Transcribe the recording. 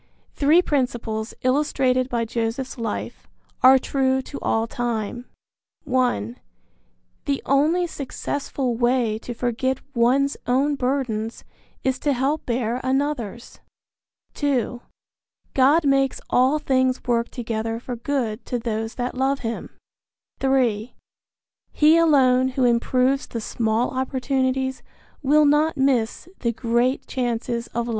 Three principles, illustrated by Joseph's life, are true to all time: (1) The only successful way to forget one's own burdens is to help bear another's; (2) God makes all things work together for good to those that love him; (3) he alone who improves the small opportunities will not miss the great chances of life.